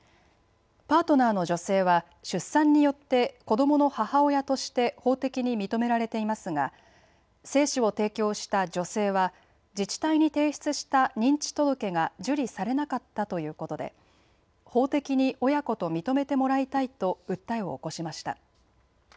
パートナーの女性は出産によって子どもの母親として法的に認められていますが精子を提供した女性は自治体に提出した認知届が受理されなかったということで法的に親子と認めてもらいたいと訴えを起こしました。